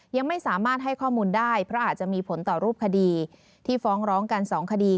ยังไม่สามารถให้ข้อมูลได้เพราะอาจจะมีผลต่อรูปคดีที่ฟ้องร้องกัน๒คดี